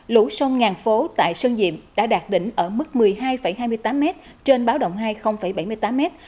lũ sông ngàn phố tại sơn diệm đã đạt đỉnh ở mức một mươi hai hai mươi tám mét trên báo động hai mươi bảy mươi tám mét